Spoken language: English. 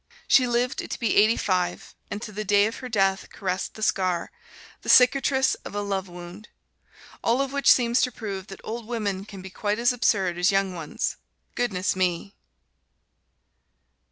She lived to be eighty five, and to the day of her death caressed the scar the cicatrice of a love wound. All of which seems to prove that old women can be quite as absurd as young ones goodness me!